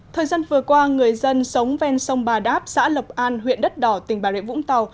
thời gian vừa qua người dân sống ven sông bà đáp xã lộc an huyện đất đỏ tỉnh bà rịa vũng tàu